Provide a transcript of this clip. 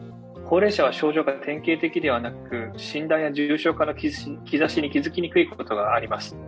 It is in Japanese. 高齢者は症状が典型的でなく、診断や重症化の兆しに気付きにくいことがあります。